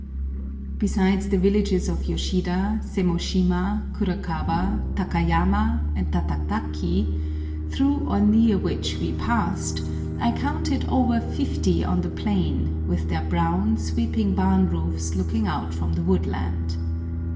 Besides the villages of Yoshida, Semoshima, Kurokawa, Takayama, and Takataki, through or near which we passed, I counted over fifty on the plain with their brown, sweeping barn roofs looking out from the woodland.